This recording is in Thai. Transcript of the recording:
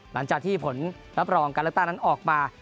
หลังจากที่ผลระปรองกันและต้านั้นออกมา